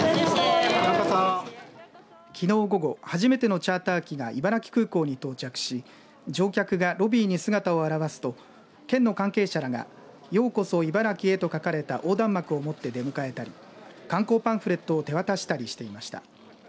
きのう午後初めてのチャーター機が茨城空港に到着し乗客がロビーに姿を現すと県の関係者らがようこそ茨城へと書かれた横断幕を持って出迎えたり観光パンフレットを手渡したりしていました。